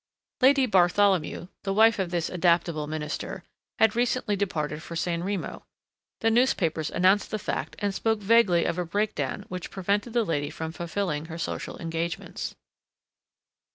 Lady Bartholomew, the wife of this adaptable Minister, had recently departed for San Remo. The newspapers announced the fact and spoke vaguely of a breakdown which prevented the lady from fulfilling her social engagements.